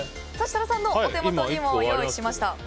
設楽さんのお手元にも用意しました。